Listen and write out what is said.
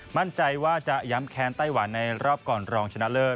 มั่นใจว่าจะย้ำแค้นไต้หวันในรอบก่อนรองชนะเลิศ